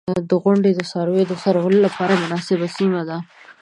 • غونډۍ د څارویو د څرولو لپاره مناسبه سیمه ده.